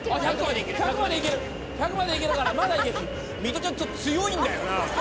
１００までいける、１００までいけるから、水卜ちゃん、ちょっと強いんだよな。